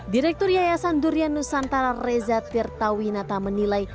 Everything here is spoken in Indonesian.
direktur yayasan durian nusantara reza tirtawinata menilai